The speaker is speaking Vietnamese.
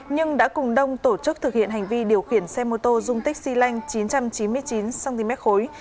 nhưng đã cùng đông tổ chức thực hiện hành vi điều khiển xe mô tô dung tích xy lanh chín trăm chín mươi chín cm khối